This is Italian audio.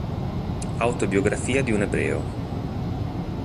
Autobiografia di un ebreo".